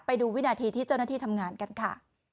ไปดูวินาทีที่เจ้าหน้าที่ทำงานกันค่ะ